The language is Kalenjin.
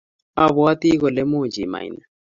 Abwati kole much imach ni